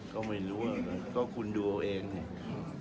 ก็ไม่รู้คุณดูเอาเอง